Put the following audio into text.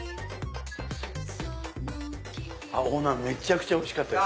めちゃくちゃおいしかったです。